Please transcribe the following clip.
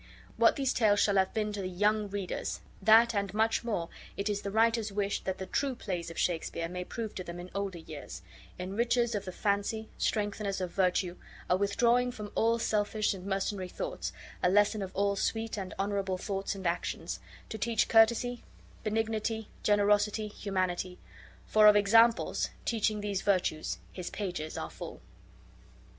What these Tales shall have been to the YOUNG readers, that and much more it is the writers' wish that the true Plays of Shakespeare may prove to them in older years enrichers of the fancy, strengtheners of virtue, a withdrawing from all selfish and mercenary thoughts, a lesson of all sweet and honorable thoughts d actions, to teach courtesy, benignity, generosity, humanity: for of examples, teaching these virtues, his pages are full.